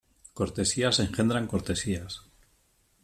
Cortesías engendran cortesías.